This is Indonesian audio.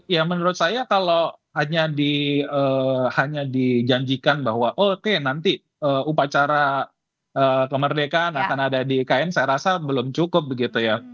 ya menurut saya kalau hanya dijanjikan bahwa oke nanti upacara kemerdekaan akan ada di ikn saya rasa belum cukup begitu ya